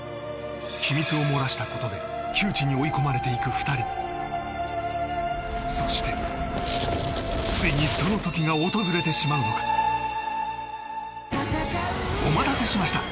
機密を漏らしたことで窮地に追い込まれていく２人そしてついにそのときが訪れてしまうのかお待たせしました